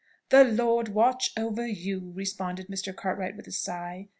"The Lord watch over you!" responded Mr. Cartwright with a sigh.